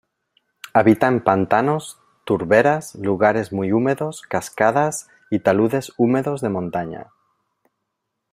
Habita en pantanos, turberas, lugares muy húmedos, cascadas y taludes húmedos de montaña.